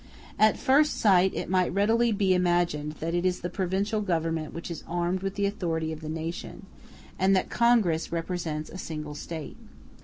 At first sight it might readily be imagined that it is the provincial government which is armed with the authority of the nation, and that Congress represents a single State.